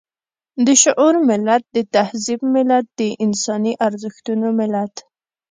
د شعور ملت، د تهذيب ملت، د انساني ارزښتونو ملت.